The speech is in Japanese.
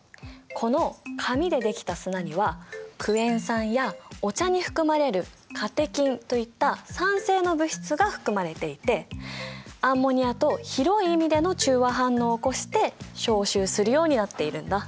この紙で出来た砂にはクエン酸やお茶に含まれるカテキンといった酸性の物質が含まれていてアンモニアと広い意味での中和反応を起こして消臭するようになっているんだ。